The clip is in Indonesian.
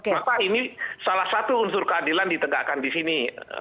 maka ini salah satu unsur keadilan ditegakkan di sini